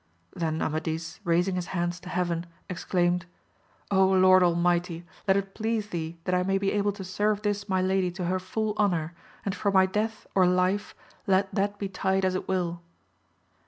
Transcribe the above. Then Amadis, raising his hands to heaven, ex claimed, Lord Almighty, let it please thee that I may be able to serve this my lady to her full honour, and for my death or life let that betide as it will.